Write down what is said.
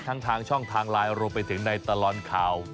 ทั้งทางช่องทางไลน์เอาลงไปถึงในตะลอนข่าว